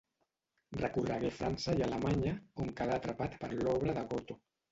Recorregué França i Alemanya, on quedà atrapat per l'obra de Goethe.